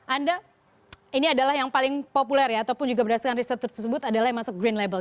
anda ini adalah yang paling populer ya ataupun juga berdasarkan riset tersebut adalah yang masuk green label